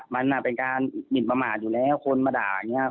มันเป็นการหมินประมาทอยู่แล้วคนมาด่าอย่างนี้